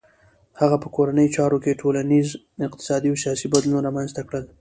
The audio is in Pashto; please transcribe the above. هغه په کورنیو چارو کې ټولنیز، اقتصادي او سیاسي بدلونونه رامنځته کړل.